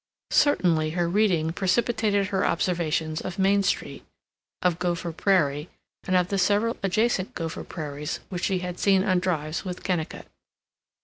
Certainly her reading precipitated her observations of Main Street, of Gopher Prairie and of the several adjacent Gopher Prairies which she had seen on drives with Kennicott.